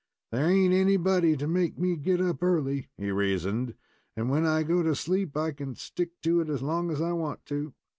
"There ain't anybody to make me get up early," he reasoned, "and when I go to sleep I can stick to it as long as I want to.